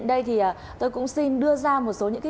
bác sĩ phan bá hải